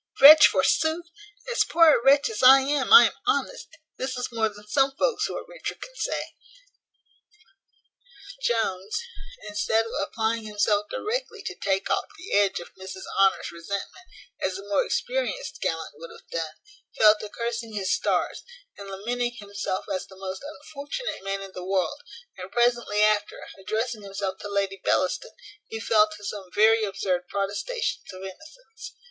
Wretch forsooth? as poor a wretch as I am, I am honest; this is more than some folks who are richer can say." Jones, instead of applying himself directly to take off the edge of Mrs Honour's resentment, as a more experienced gallant would have done, fell to cursing his stars, and lamenting himself as the most unfortunate man in the world; and presently after, addressing himself to Lady Bellaston, he fell to some very absurd protestations of innocence.